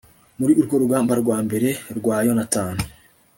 muri urwo rugamba rwa mbere rwa yonatani